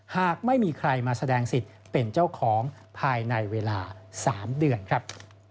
หากไม่มีใครมาแสดงสิทธิ์เป็นเจ้าของภายในเวลา๓เดือนครับ